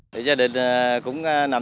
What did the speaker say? thì gia đình cũng nằm